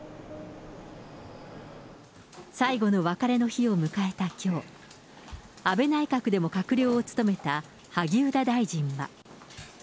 最後の別れの日を迎えたきょう、安倍内閣でも閣僚を務めた萩生田大臣は。